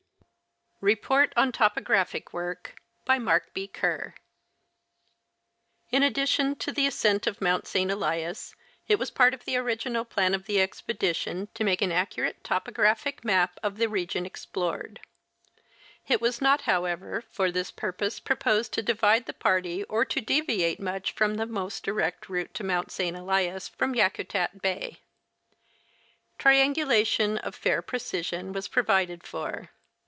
REPORT ON TOPOGRAPHIC WORK. BY MARK B. KERE. In addition to the ascent of Mount St. Elias, it was part of the original plan of the expedition to make an accurate topographic map of the region explored. It was not, however, for this purpose proposed to divide the party or to deviate much from the most direct route to Mount St. Elias from Yakutat bay. Triangulation of fair precision was provided for.